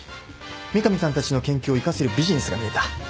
三上さんたちの研究を生かせるビジネスが見えた。